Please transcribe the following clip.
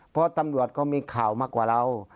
เพราะตำรวจก็มีข่าวมากกว่าเรา